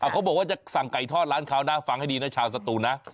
เขาบอกว่าจะสั่งไก่ทอดร้านเขานะฟังให้ดีนะชาวสตูนนะ